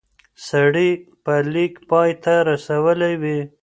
سړی به لیک پای ته رسولی وي.